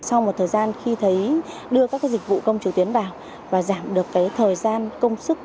sau một thời gian khi thấy đưa các dịch vụ công trực tuyến vào và giảm được thời gian công sức